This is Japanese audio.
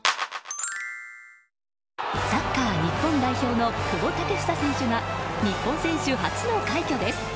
サッカー日本代表の久保建英選手が日本選手初の快挙です。